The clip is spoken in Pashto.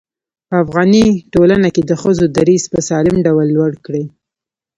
په افغاني ټولنه کې د ښځو دريځ په سالم ډول لوړ کړي.